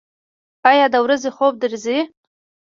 ایا د ورځې خوب درځي؟